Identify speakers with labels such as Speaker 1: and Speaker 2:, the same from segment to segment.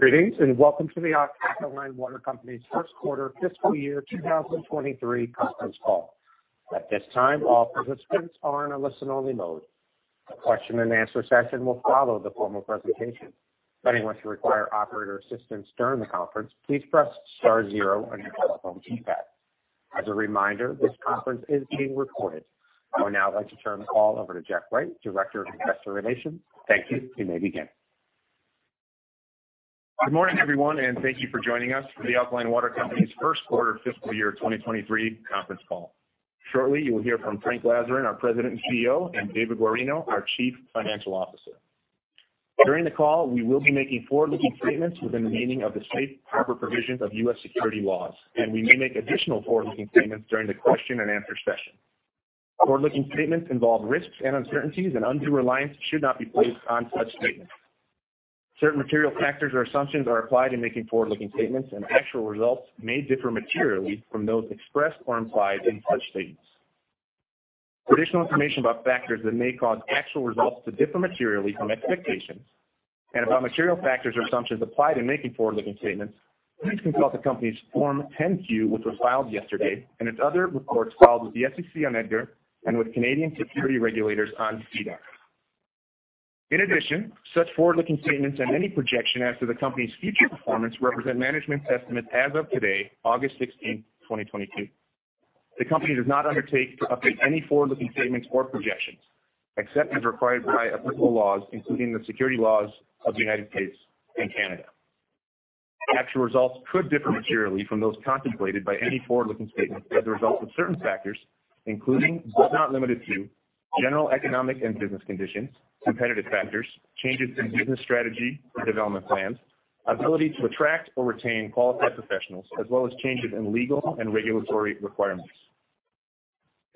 Speaker 1: Greetings, and welcome to The Alkaline Water Company's first quarter fiscal year 2023 conference call. At this time, all participants are in a listen-only mode. A question-and-answer session will follow the formal presentation. If anyone should require operator assistance during the conference, please press star zero on your telephone keypad. As a reminder, this conference is being recorded. I would now like to turn the call over to Jeff Wright, Director of Investor Relations. Thank you. You may begin.
Speaker 2: Good morning, everyone, and thank you for joining us for The Alkaline Water Company's first quarter fiscal year 2023 conference call. Shortly, you will hear from Frank Lazaran, our President and CEO, and David Guarino, our Chief Financial Officer. During the call, we will be making forward-looking statements within the meaning of the safe harbor provisions of U.S. securities laws, and we may make additional forward-looking statements during the question and answer session. Forward-looking statements involve risks and uncertainties, and undue reliance should not be placed on such statements. Certain material factors or assumptions are applied in making forward-looking statements, and actual results may differ materially from those expressed or implied in such statements. For additional information about factors that may cause actual results to differ materially from expectations, and about material factors or assumptions applied in making forward-looking statements, please consult the company's Form 10-Q, which was filed yesterday, and its other reports filed with the SEC on EDGAR and with Canadian security regulators on SEDAR. In addition, such forward-looking statements and any projection as to the company's future performance represent management's estimates as of today, August 16, 2022. The company does not undertake to update any forward-looking statements or projections, except as required by applicable laws, including the security laws of the United States and Canada. Actual results could differ materially from those contemplated by any forward-looking statement as a result of certain factors, including, but not limited to, general economic and business conditions, competitive factors, changes in business strategy or development plans, ability to attract or retain qualified professionals, as well as changes in legal and regulatory requirements.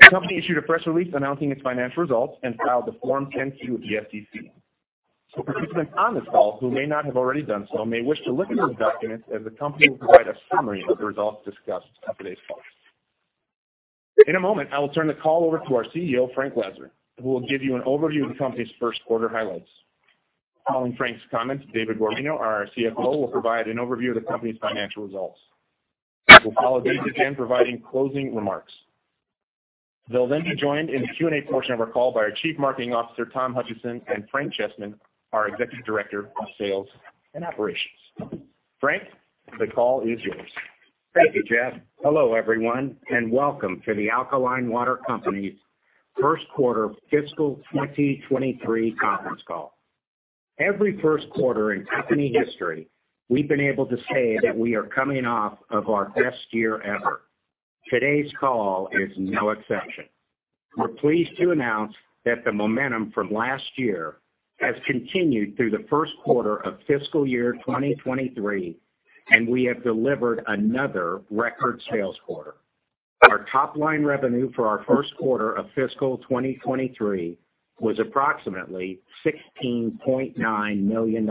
Speaker 2: The company issued a press release announcing its financial results and filed the Form 10-Q with the SEC. Participants on this call who may not have already done so may wish to look at those documents, as the company will provide a summary of the results discussed on today's call. In a moment, I will turn the call over to our CEO, Frank Lazaran, who will give you an overview of the company's first quarter highlights. Following Frank's comments, David Guarino, our CFO, will provide an overview of the company's financial results. I will follow David in providing closing remarks. They'll then be joined in the Q&A portion of our call by our Chief Marketing Officer, Tom Hutchison, and Frank Chessman, our Executive Director of Sales and Operations. Frank, the call is yours.
Speaker 3: Thank you, Jeff. Hello, everyone, and welcome to The Alkaline Water Company's first quarter fiscal 2023 conference call. Every first quarter in company history, we've been able to say that we are coming off of our best year ever. Today's call is no exception. We're pleased to announce that the momentum from last year has continued through the first quarter of fiscal year 2023, and we have delivered another record sales quarter. Our top-line revenue for our first quarter of fiscal 2023 was approximately $16.9 million.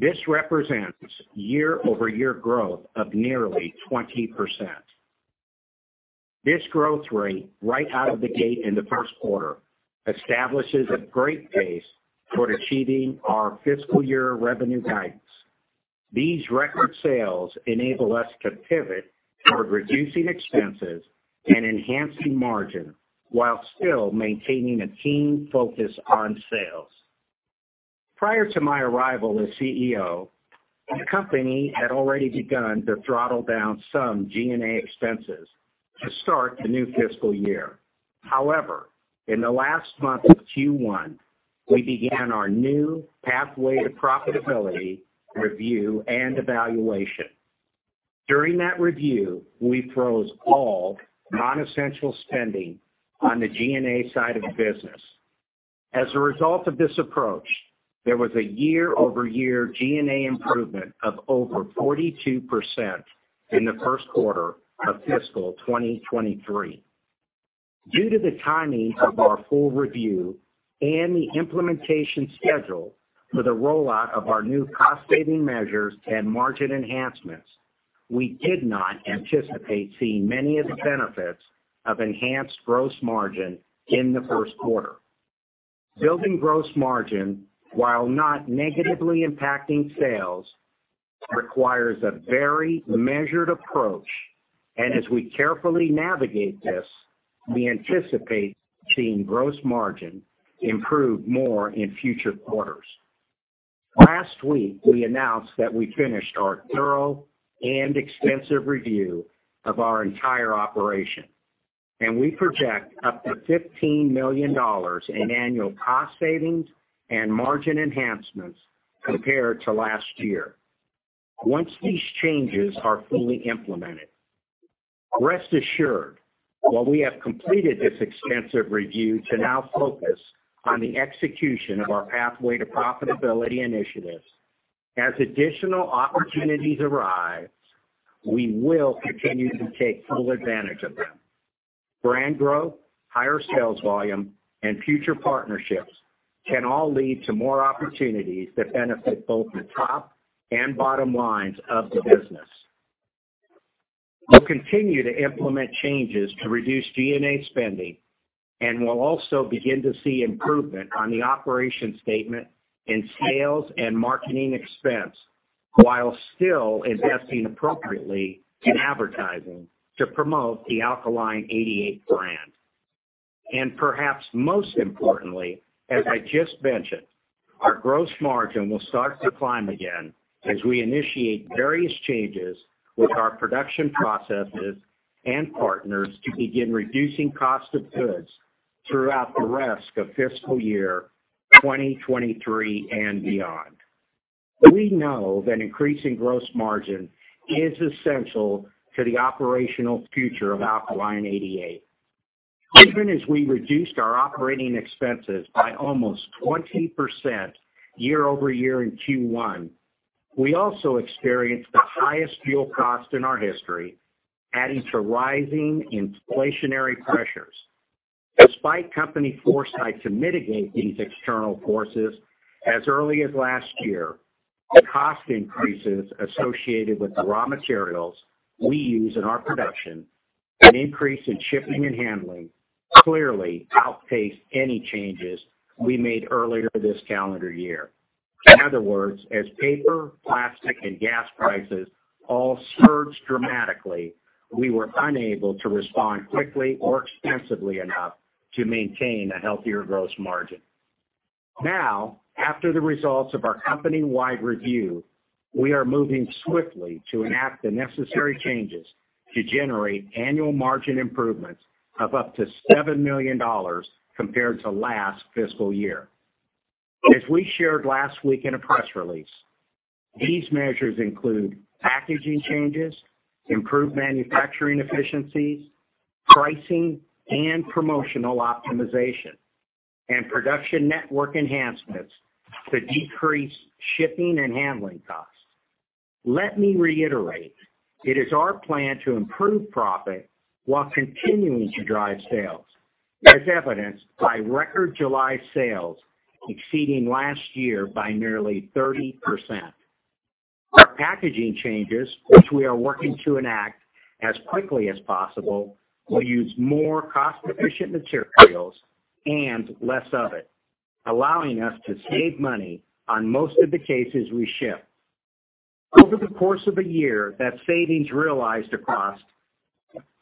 Speaker 3: This represents year-over-year growth of nearly 20%. This growth rate right out of the gate in the first quarter establishes a great pace for achieving our fiscal year revenue guidance. These record sales enable us to pivot toward reducing expenses and enhancing margin while still maintaining a keen focus on sales. Prior to my arrival as CEO, the company had already begun to throttle down some G&A expenses to start the new fiscal year. However, in the last month of Q1, we began our new pathway to profitability review and evaluation. During that review, we froze all non-essential spending on the G&A side of the business. As a result of this approach, there was a year-over-year G&A improvement of over 42% in the first quarter of fiscal 2023. Due to the timing of our full review and the implementation schedule for the rollout of our new cost-saving measures and margin enhancements, we did not anticipate seeing many of the benefits of enhanced gross margin in the first quarter. Building gross margin, while not negatively impacting sales, requires a very measured approach, and as we carefully navigate this, we anticipate seeing gross margin improve more in future quarters. Last week, we announced that we finished our thorough and extensive review of our entire operation, and we project up to $15 million in annual cost savings and margin enhancements compared to last year once these changes are fully implemented. Rest assured, while we have completed this extensive review to now focus on the execution of our pathway to profitability initiatives, as additional opportunities arise, we will continue to take full advantage of them. Brand growth, higher sales volume, and future partnerships can all lead to more opportunities that benefit both the top and bottom lines of the business. We'll continue to implement changes to reduce G&A spending, and we'll also begin to see improvement on the operating statement in sales and marketing expense, while still investing appropriately in advertising to promote the Alkaline88 brand. Perhaps most importantly, as I just mentioned, our gross margin will start to climb again as we initiate various changes with our production processes and partners to begin reducing cost of goods throughout the rest of fiscal year 2023 and beyond. We know that increasing gross margin is essential to the operational future of Alkaline88. Even as we reduced our operating expenses by almost 20% year-over-year in Q1, we also experienced the highest fuel cost in our history, adding to rising inflationary pressures. Despite company foresight to mitigate these external forces as early as last year, the cost increases associated with the raw materials we use in our production, an increase in shipping and handling, clearly outpaced any changes we made earlier this calendar year. In other words, as paper, plastic, and gas prices all surged dramatically, we were unable to respond quickly or extensively enough to maintain a healthier gross margin. Now, after the results of our company-wide review, we are moving swiftly to enact the necessary changes to generate annual margin improvements of up to $7 million compared to last fiscal year. As we shared last week in a press release, these measures include packaging changes, improved manufacturing efficiencies, pricing and promotional optimization, and production network enhancements to decrease shipping and handling costs. Let me reiterate, it is our plan to improve profit while continuing to drive sales, as evidenced by record July sales exceeding last year by nearly 30%. Our packaging changes, which we are working to enact as quickly as possible, will use more cost-efficient materials and less of it, allowing us to save money on most of the cases we ship. Over the course of a year, that savings realized across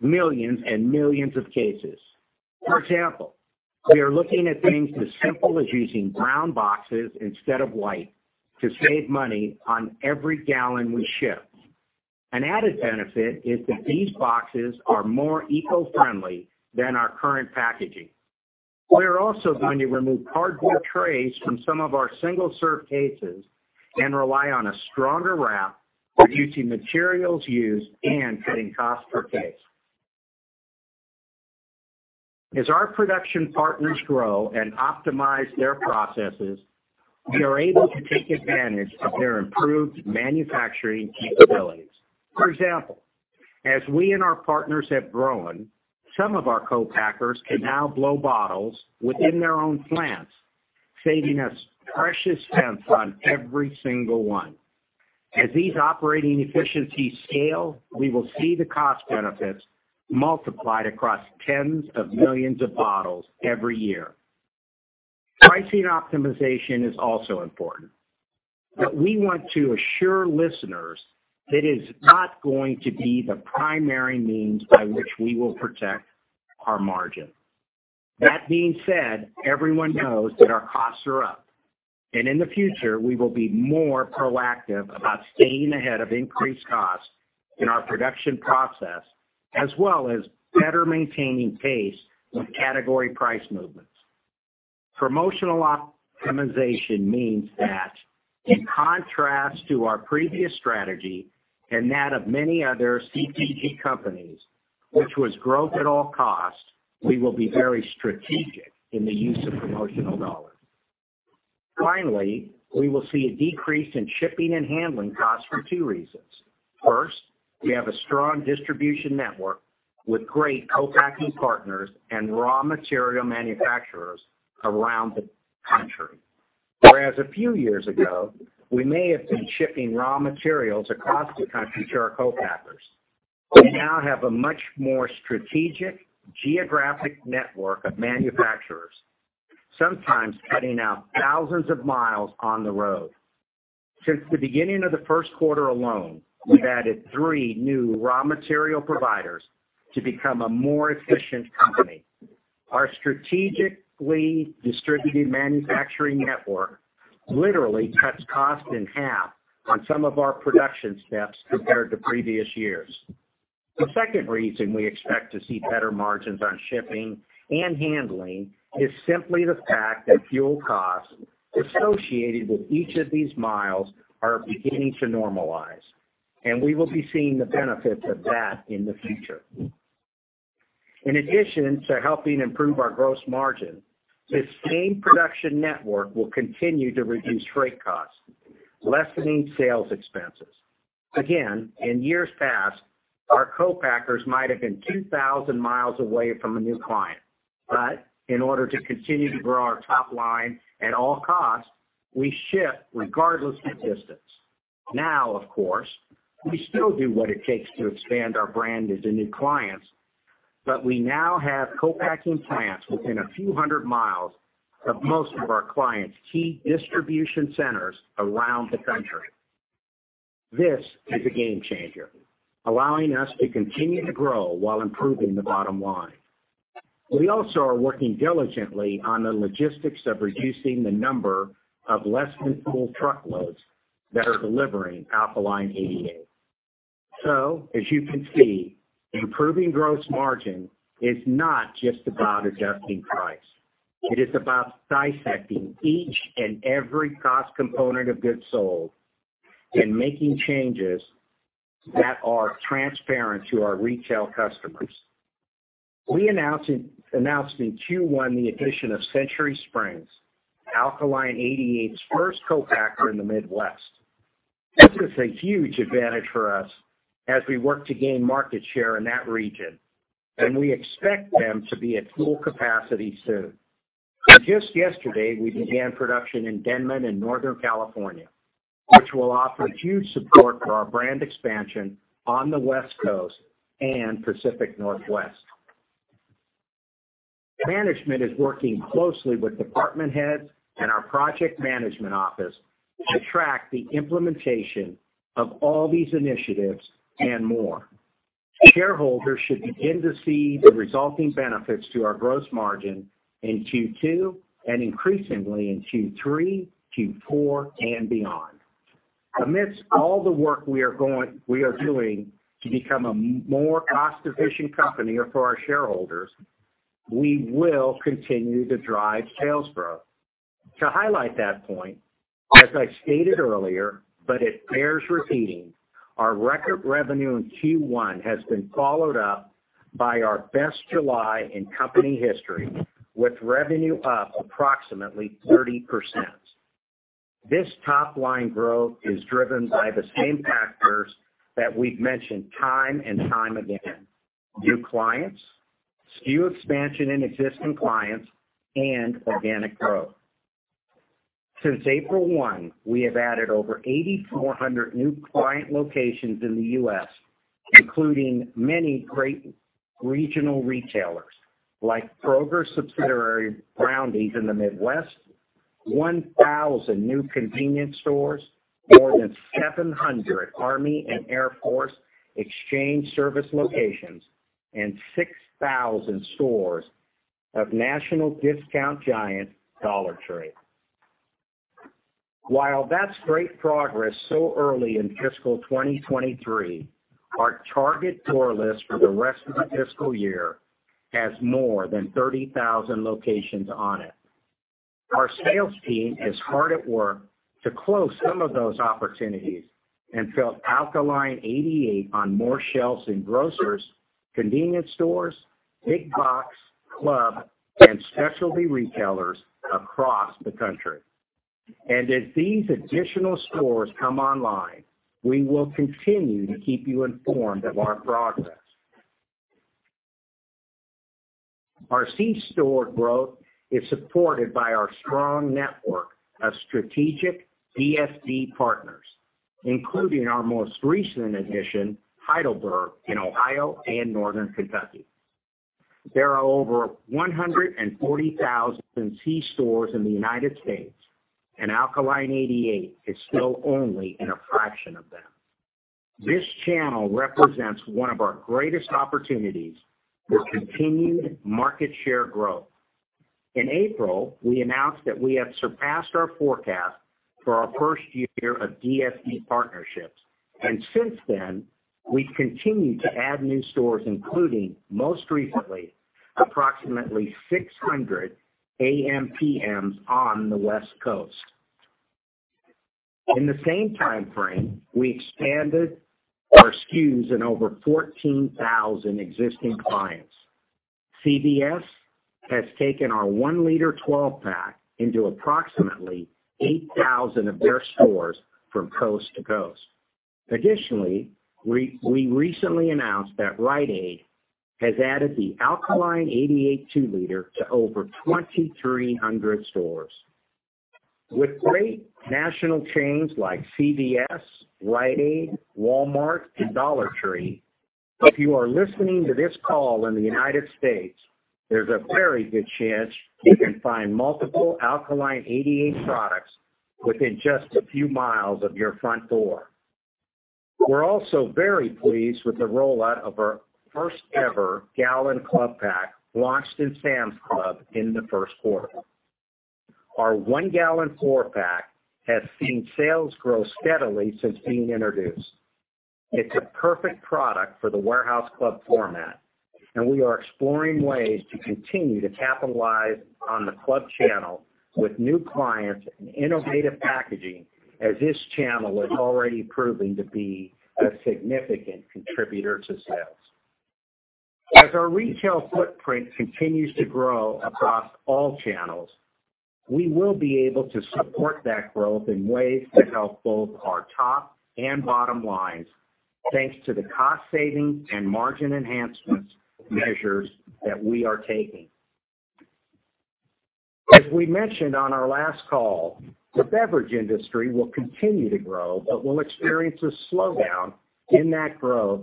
Speaker 3: millions and millions of cases. For example, we are looking at things as simple as using brown boxes instead of white to save money on every gallon we ship. An added benefit is that these boxes are more eco-friendly than our current packaging. We are also going to remove cardboard trays from some of our single-serve cases and rely on a stronger wrap, reducing materials used and cutting cost per case. As our production partners grow and optimize their processes, we are able to take advantage of their improved manufacturing capabilities. For example, as we and our partners have grown, some of our co-packers can now blow bottles within their own plants, saving us precious cents on every single one. As these operating efficiencies scale, we will see the cost benefits multiplied across tens of millions of bottles every year. Pricing optimization is also important, but we want to assure listeners that it is not going to be the primary means by which we will protect our margin. That being said, everyone knows that our costs are up. In the future, we will be more proactive about staying ahead of increased costs in our production process, as well as better maintaining pace with category price movements. Promotional optimization means that in contrast to our previous strategy and that of many other CPG companies, which was growth at all costs, we will be very strategic in the use of promotional dollars. Finally, we will see a decrease in shipping and handling costs for two reasons. First, we have a strong distribution network with great co-packing partners and raw material manufacturers around the country. Whereas a few years ago, we may have been shipping raw materials across the country to our co-packers. We now have a much more strategic geographic network of manufacturers, sometimes cutting out thousands of miles on the road. Since the beginning of the first quarter alone, we've added three new raw material providers to become a more efficient company. Our strategically distributed manufacturing network literally cuts costs in half on some of our production steps compared to previous years. The second reason we expect to see better margins on shipping and handling is simply the fact that fuel costs associated with each of these miles are beginning to normalize, and we will be seeing the benefits of that in the future. In addition to helping improve our gross margin, this same production network will continue to reduce freight costs, lessening sales expenses. Again, in years past, our co-packers might have been 2,000 miles away from a new client. In order to continue to grow our top line at all costs, we ship regardless of distance. Now, of course, we still do what it takes to expand our brand into new clients, but we now have co-packing plants within a few hundred miles of most of our clients' key distribution centers around the country. This is a game changer, allowing us to continue to grow while improving the bottom line. We also are working diligently on the logistics of reducing the number of less-than-full truckloads that are delivering Alkaline88. As you can see, improving gross margin is not just about adjusting price. It is about dissecting each and every cost component of goods sold and making changes that are transparent to our retail customers. We announced in Q1 the addition of Century Springs, Alkaline88's first co-packer in the Midwest. This is a huge advantage for us as we work to gain market share in that region, and we expect them to be at full capacity soon. Just yesterday, we began production in Dunnigan in Northern California, which will offer huge support for our brand expansion on the West Coast and Pacific Northwest. Management is working closely with department heads and our project management office to track the implementation of all these initiatives and more. Shareholders should begin to see the resulting benefits to our gross margin in Q2 and increasingly in Q3, Q4 and beyond. Amidst all the work we are doing to become a more cost-efficient company for our shareholders, we will continue to drive sales growth. To highlight that point, as I stated earlier, but it bears repeating, our record revenue in Q1 has been followed up by our best July in company history, with revenue up approximately 30%. This top-line growth is driven by the same factors that we've mentioned time and time again: new clients, SKU expansion in existing clients, and organic growth. Since April 1, we have added over 8,400 new client locations in the US, including many great regional retailers like Kroger subsidiary, Roundy's in the Midwest, 1,000 new convenience stores, more than 700 Army & Air Force Exchange Service locations, and 6,000 stores of national discount giant, Dollar Tree. While that's great progress so early in fiscal 2023, our target door list for the rest of the fiscal year has more than 30,000 locations on it. Our sales team is hard at work to close some of those opportunities and fill Alkaline88 on more shelves in grocers, convenience stores, big box, club, and specialty retailers across the country. As these additional stores come online, we will continue to keep you informed of our progress. Our C-store growth is supported by our strong network of strategic DSD partners, including our most recent addition, Heidelberg in Ohio and Northern Kentucky. There are over 140,000 C-stores in the United States, and Alkaline88 is still only in a fraction of them. This channel represents one of our greatest opportunities for continued market share growth. In April, we announced that we have surpassed our forecast for our first year of DSD partnerships, and since then, we've continued to add new stores, including, most recently, approximately 600 ampm on the West Coast. In the same timeframe, we expanded our SKUs in over 14,000 existing clients. CVS has taken our one-liter 12-pack into approximately 8,000 of their stores from coast to coast. Additionally, we recently announced that Rite Aid has added the Alkaline88 two-liter to over 2,300 stores. With great national chains like CVS, Rite Aid, Walmart and Dollar Tree, if you are listening to this call in the United States, there's a very good chance you can find multiple Alkaline88 products within just a few miles of your front door. We're also very pleased with the rollout of our first-ever gallon club pack launched in Sam's Club in the first quarter. Our one gallon four-pack has seen sales grow steadily since being introduced. It's a perfect product for the warehouse club format, and we are exploring ways to continue to capitalize on the club channel with new clients and innovative packaging as this channel is already proving to be a significant contributor to sales. As our retail footprint continues to grow across all channels. We will be able to support that growth in ways to help both our top and bottom lines thanks to the cost savings and margin enhancements measures that we are taking. As we mentioned on our last call, the beverage industry will continue to grow, but we'll experience a slowdown in that growth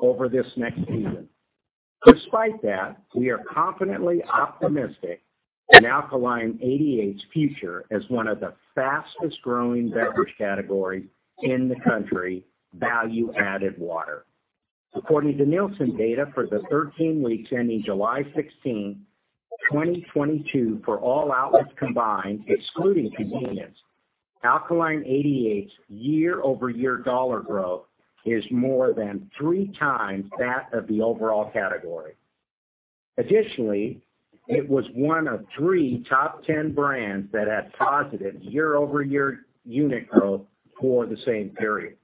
Speaker 3: over this next season. Despite that, we are confidently optimistic in Alkaline88's future as one of the fastest-growing beverage categories in the country, value-added water. According to Nielsen data, for the 13 weeks ending July 16, 2022, for all outlets combined, excluding convenience, Alkaline88's year-over-year dollar growth is more than three times that of the overall category. Additionally, it was one of three top 10 brands that had positive year-over-year unit growth for the same period.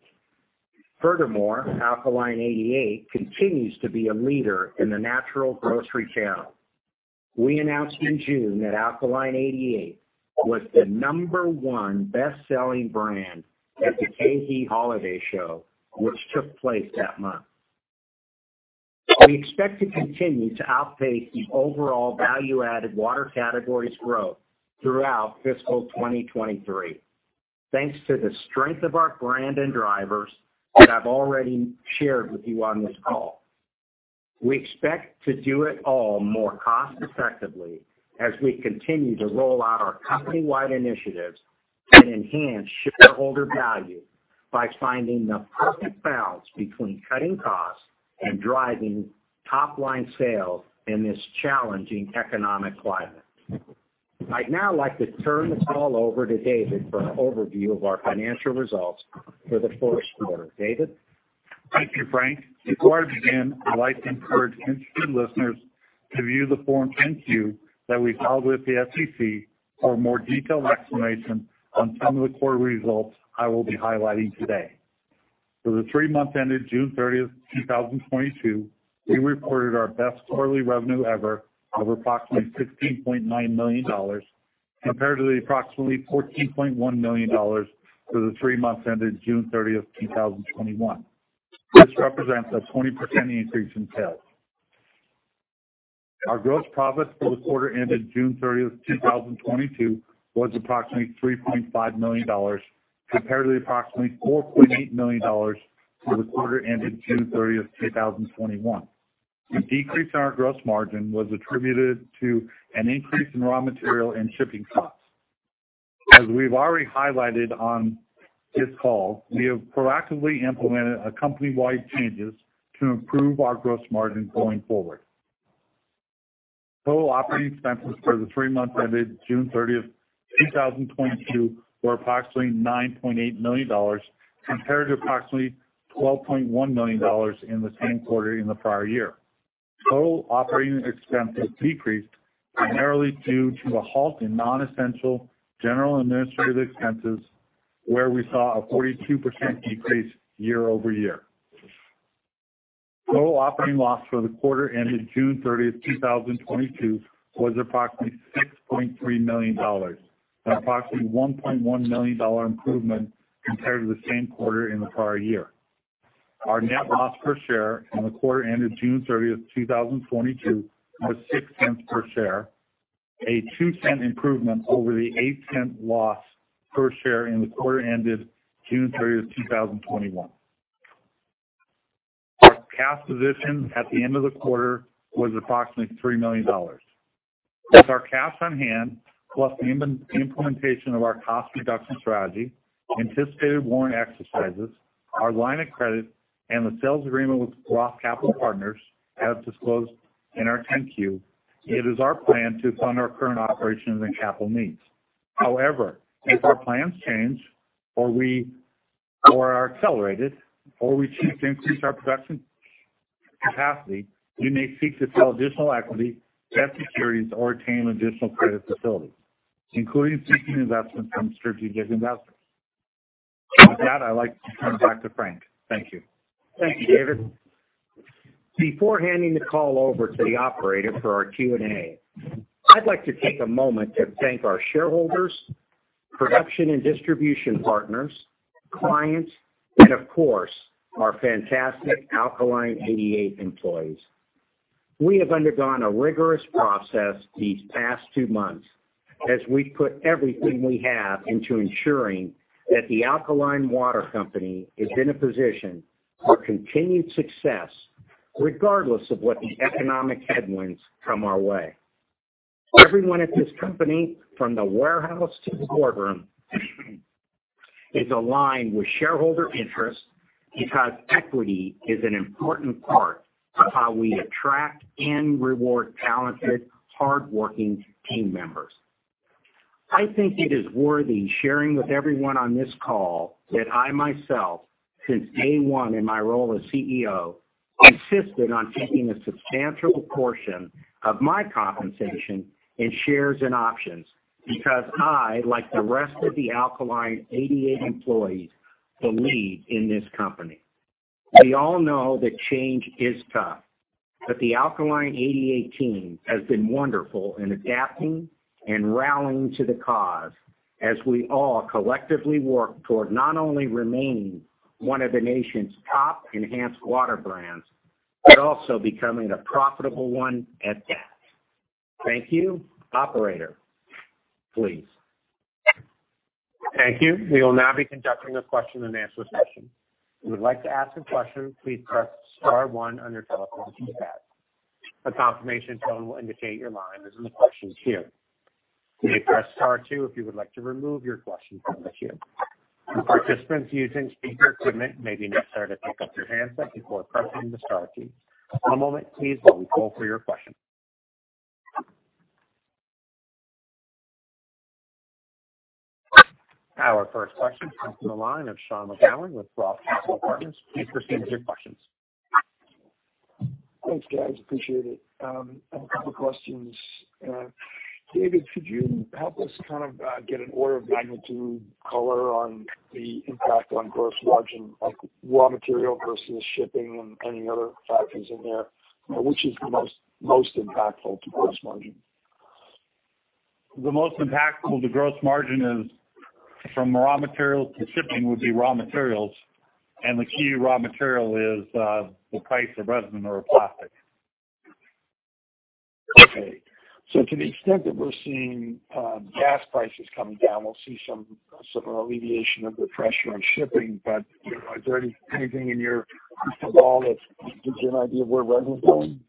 Speaker 3: Furthermore, Alkaline88 continues to be a leader in the natural grocery channel. We announced in June that Alkaline88 was the number one best-selling brand at the KeHE Holiday Show, which took place that month. We expect to continue to outpace the overall value-added water categories growth throughout fiscal 2023. Thanks to the strength of our brand and drivers that I've already shared with you on this call. We expect to do it all more cost-effectively as we continue to roll out our company-wide initiatives and enhance shareholder value by finding the perfect balance between cutting costs and driving top-line sales in this challenging economic climate. I'd now like to turn this call over to David for an overview of our financial results for the first quarter. David?
Speaker 4: Thank you, Frank. Before I begin, I'd like to encourage interested listeners to view the Form 10-Q that we filed with the SEC for a more detailed explanation on some of the quarter results I will be highlighting today. For the three months ended June 30, 2022, we reported our best quarterly revenue ever of approximately $16.9 million compared to the approximately $14.1 million for the three months ended June 30, 2021. This represents a 20% increase in sales. Our gross profit for the quarter ended June 30, 2022 was approximately $3.5 million compared to the approximately $4.8 million for the quarter ended June 30, 2021. The decrease in our gross margin was attributed to an increase in raw material and shipping costs. As we've already highlighted on this call, we have proactively implemented a company-wide changes to improve our gross margin going forward. Total operating expenses for the three months ended June 30, 2022 were approximately $9.8 million compared to approximately $12.1 million in the same quarter in the prior year. Total operating expenses decreased primarily due to a halt in non-essential general administrative expenses, where we saw a 42% decrease year-over-year. Total operating loss for the quarter ended June 30, 2022 was approximately $6.3 million, an approximately $1.1 million improvement compared to the same quarter in the prior year. Our net loss per share in the quarter ended June 30, 2022 was $0.06 per share, a $0.02 improvement over the $0.08 loss per share in the quarter ended June 30, 2021. Our cash position at the end of the quarter was approximately $3 million. With our cash on hand, plus the implementation of our cost reduction strategy, anticipated warrant exercises, our line of credit, and the sales agreement with Roth Capital Partners, as disclosed in our 10-Q, it is our plan to fund our current operations and capital needs. However, if our plans change or are accelerated or we seek to increase our production capacity, we may seek to sell additional equity, debt securities or obtain additional credit facilities, including seeking investment from strategic investors. With that, I'd like to turn it back to Frank. Thank you.
Speaker 3: Thank you, David. Before handing the call over to the operator for our Q&A, I'd like to take a moment to thank our shareholders, production and distribution partners, clients, and of course, our fantastic Alkaline88 employees. We have undergone a rigorous process these past two months as we put everything we have into ensuring that the Alkaline Water Company is in a position for continued success, regardless of what the economic headwinds come our way. Everyone at this company, from the warehouse to the boardroom, is aligned with shareholder interest because equity is an important part of how we attract and reward talented, hardworking team members. I think it is worthy sharing with everyone on this call that I, myself, since day one in my role as CEO, insisted on taking a substantial portion of my compensation in shares and options because I, like the rest of the Alkaline88 employees, believe in this company. We all know that change is tough, but the Alkaline88 team has been wonderful in adapting and rallying to the cause as we all collectively work toward not only remaining one of the nation's top enhanced water brands, but also becoming a profitable one at that. Thank you. Operator, please.
Speaker 1: Thank you. We will now be conducting a question-and-answer session. If you would like to ask a question, please press star one on your telephone keypad. A confirmation tone will indicate your line is in the question queue. You may press star two if you would like to remove your question from the queue. Participants using speakerphone, it may be necessary to pick up your handset before pressing the star key. One moment please while we call for your question. Our first question comes from the line of Sean McGowan with Roth Capital Partners. Please proceed with your questions.
Speaker 5: Thanks, guys, appreciate it. A couple questions. David, could you help us kind of get an order of magnitude color on the impact on gross margin of raw material versus shipping and any other factors in there, which is the most impactful to gross margin?
Speaker 4: The most impactful to gross margin is from raw materials to shipping, would be raw materials. The key raw material is, the price of resin or plastic.
Speaker 5: Okay. To the extent that we're seeing gas prices coming down, we'll see some alleviation of the pressure on shipping. You know, is there anything in your crystal ball that gives you an idea of where resin is going?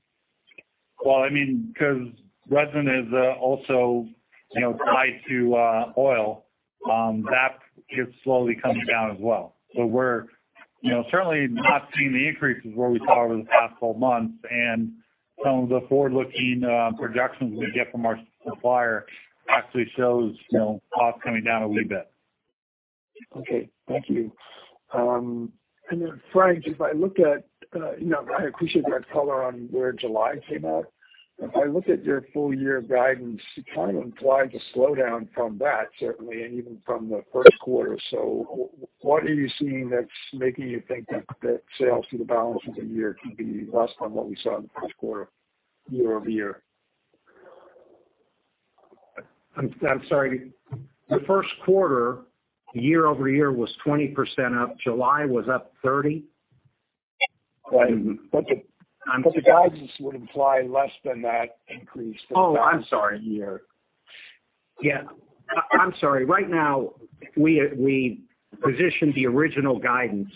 Speaker 4: Well, I mean, 'cause resin is also, you know, tied to oil that is slowly coming down as well. But we're, you know, certainly not seeing the increases where we saw over the past 12 months. Some of the forward-looking projections we get from our supplier actually shows, you know, costs coming down a wee bit.
Speaker 5: Okay, thank you. Frank, you know, I appreciate that color on where July came out. If I look at your full year guidance, you kind of implied a slowdown from that, certainly and even from the first quarter. What are you seeing that's making you think that the sales for the balance of the year could be less than what we saw in the first quarter year-over-year?
Speaker 3: I'm sorry. The first quarter year-over-year was up 20%. July was up 30%.
Speaker 5: The guidance would imply less than that increase.
Speaker 3: Oh, I'm sorry.
Speaker 5: for the year.
Speaker 3: Yeah, I'm sorry. Right now, we positioned the original guidance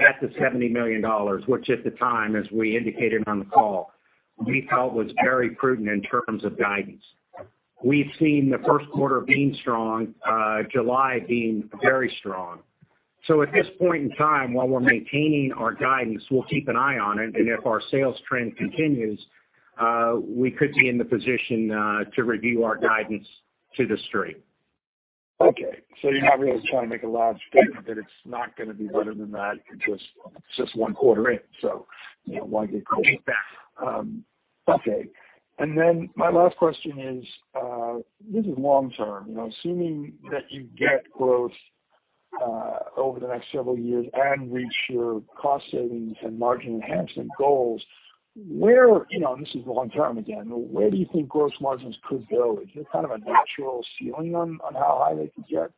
Speaker 3: at $70 million, which at the time, as we indicated on the call, we felt was very prudent in terms of guidance. We've seen the first quarter being strong, July being very strong. At this point in time, while we're maintaining our guidance, we'll keep an eye on it. If our sales trend continues, we could be in the position to review our guidance to the street.
Speaker 5: Okay. You're not really trying to make a large statement that it's not gonna be better than that. You're just, it's just one quarter in, so, you know, okay. Then my last question is, this is long term. You know, assuming that you get growth over the next several years and reach your cost savings and margin enhancement goals, where, you know, and this is long term again, where do you think gross margins could go? Is there kind of a natural ceiling on how high they could get?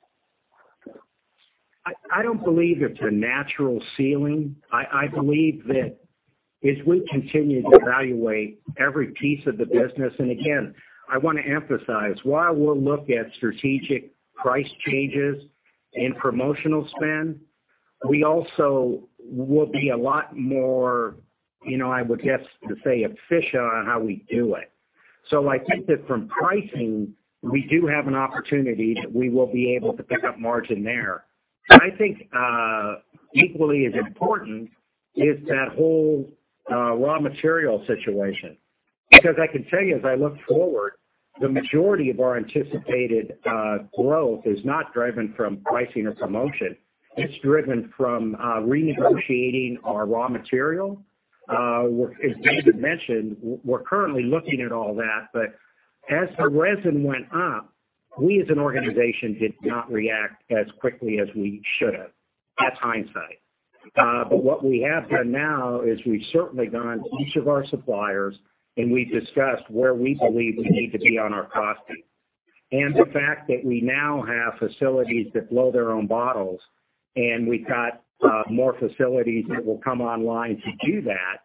Speaker 3: I don't believe it's a natural ceiling. I believe that as we continue to evaluate every piece of the business, and again, I wanna emphasize while we'll look at strategic price changes and promotional spend, we also will be a lot more, you know, I would guess to say efficient on how we do it. I think that from pricing we do have an opportunity that we will be able to pick up margin there. I think, equally as important is that whole, raw material situation. Because I can tell you as I look forward, the majority of our anticipated growth is not driven from pricing or promotion. It's driven from renegotiating our raw material. As David mentioned, we're currently looking at all that. As the resin went up, we as an organization did not react as quickly as we should have. That's hindsight. What we have done now is we've certainly gone to each of our suppliers, and we've discussed where we believe we need to be on our costing. The fact that we now have facilities that blow their own bottles, and we've got more facilities that will come online to do that,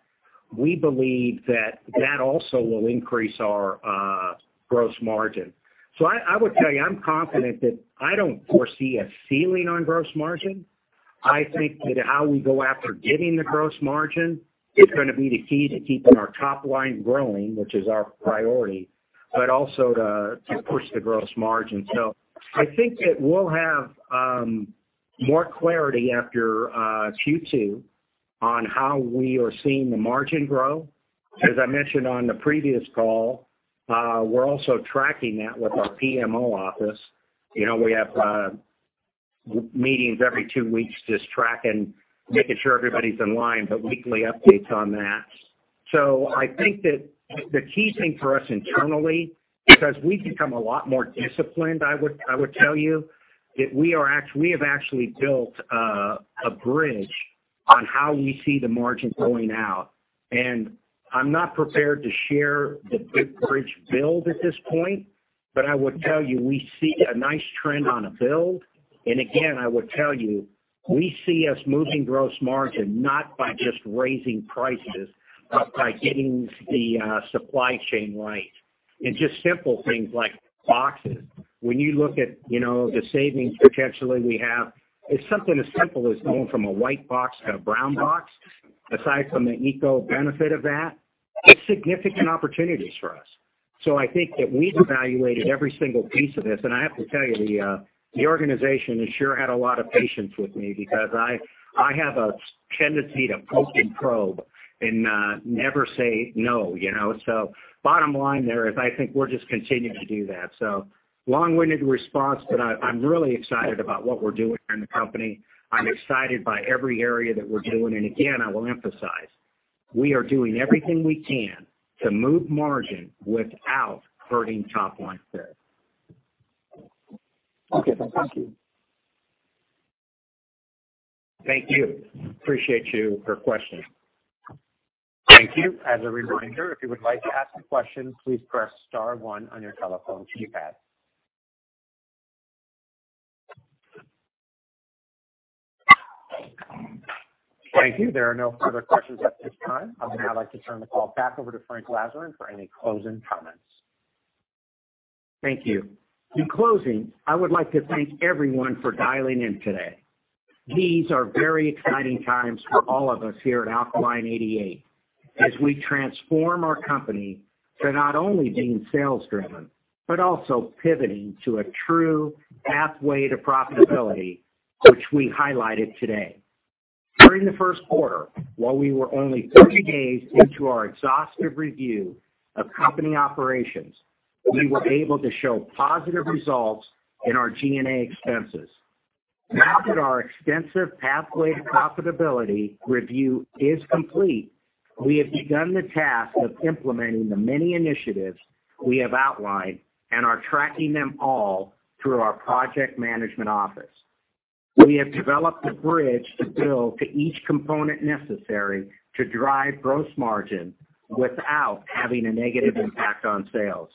Speaker 3: we believe that that also will increase our gross margin. I would tell you, I'm confident that I don't foresee a ceiling on gross margin. I think that how we go after getting the gross margin is gonna be the key to keeping our top line growing, which is our priority, but also to push the gross margin. I think that we'll have more clarity after Q2 on how we are seeing the margin grow. As I mentioned on the previous call, we're also tracking that with our PMO office. You know, we have meetings every two weeks just tracking, making sure everybody's in line, but weekly updates on that. I think that the key thing for us internally, because we've become a lot more disciplined, I would tell you that we have actually built a bridge on how we see the margin going out. I'm not prepared to share the bridge build at this point, but I would tell you, we see a nice trend on a build. I would tell you, we see us moving gross margin not by just raising prices, but by getting the supply chain right. Just simple things like boxes. When you look at, you know, the savings potentially we have, it's something as simple as going from a white box to a brown box. Aside from the eco benefit of that, it's significant opportunities for us. I think that we've evaluated every single piece of this. I have to tell you, the organization has sure had a lot of patience with me because I have a tendency to poke and probe and never say no, you know? Bottom line there is, I think we're just continuing to do that. Long-winded response, but I'm really excited about what we're doing in the company. I'm excited by every area that we're doing. Again, I will emphasize, we are doing everything we can to move margin without hurting top line sales.
Speaker 5: Okay, thank you.
Speaker 3: Thank you. Appreciate you for questioning.
Speaker 1: Thank you. As a reminder, if you would like to ask a question, please press star one on your telephone keypad. Thank you. There are no further questions at this time. I would now like to turn the call back over to Frank Lazaran for any closing comments.
Speaker 3: Thank you. In closing, I would like to thank everyone for dialing in today. These are very exciting times for all of us here at Alkaline88 as we transform our company to not only being sales driven, but also pivoting to a true pathway to profitability, which we highlighted today. During the first quarter, while we were only 30 days into our exhaustive review of company operations, we were able to show positive results in our G&A expenses. Now that our extensive pathway to profitability review is complete, we have begun the task of implementing the many initiatives we have outlined and are tracking them all through our project management office. We have developed a bridge to build to each component necessary to drive gross margin without having a negative impact on sales.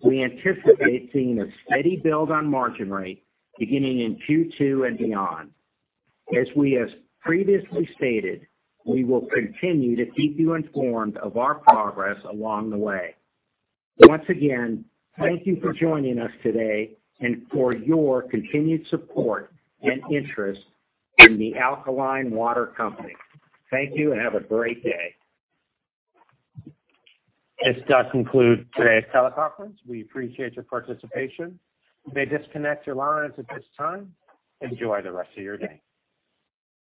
Speaker 3: We anticipate seeing a steady build on margin rate beginning in Q2 and beyond. As we have previously stated, we will continue to keep you informed of our progress along the way. Once again, thank you for joining us today and for your continued support and interest in The Alkaline Water Company. Thank you and have a great day.
Speaker 1: This does conclude today's teleconference. We appreciate your participation. You may disconnect your lines at this time. Enjoy the rest of your day.